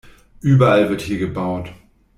Überall wird hier gebaut.